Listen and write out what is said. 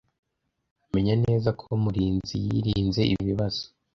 Menya neza ko Murinzi yirinze ibibazo.